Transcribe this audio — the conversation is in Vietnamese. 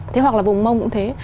thế hoặc là vùng mông cũng thế